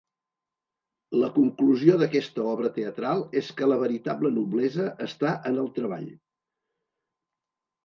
La conclusió d'aquesta obra teatral és que la veritable noblesa està en el treball.